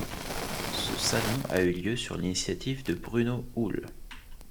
Ce salon a eu lieu sur l'initiative de Bruno Uhl.